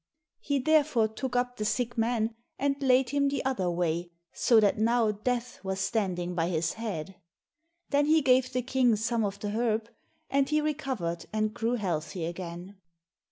He therefore took up the sick man, and laid him the other way, so that now Death was standing by his head. Then he gave the King some of the herb, and he recovered and grew healthy again.